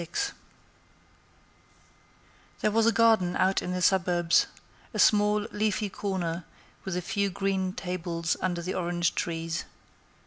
XXXVI There was a garden out in the suburbs; a small, leafy corner, with a few green tables under the orange trees.